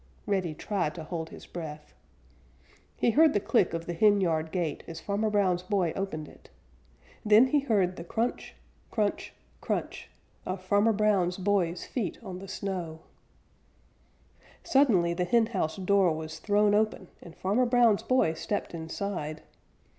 Reddy tried to hold his breath. He heard the click of the henyard gate as Farmer Brown's boy opened it, then he heard the crunch, crunch, crunch of Farmer Brown's boy's feet on the snow. Suddenly the henhouse door was thrown open and Farmer Brown's boy stepped inside.